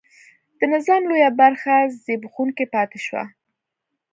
د نظام لویه برخه زبېښونکې پاتې شوه.